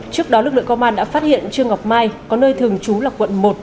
trước đó lực lượng công an đã phát hiện trương ngọc mai có nơi thường trú là quận một